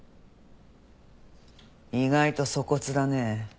意外と粗忽だねえ。